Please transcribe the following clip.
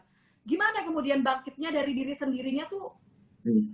gimana kemudian bangkitnya dari diri sendirinya tuh